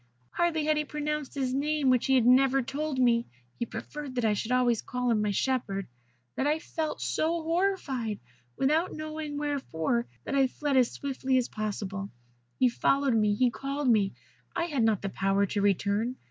"Hardly had he pronounced his name, which he had never told me (he preferred that I should always call him my shepherd), than I felt so horrified, without knowing wherefore, that I fled as swiftly as possible. He followed me; he called me. I had not the power to return.